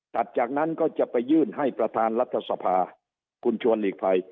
จากนั้นก็จะไปยื่นให้ประธานรัฐสภาคุณชวนหลีกภัย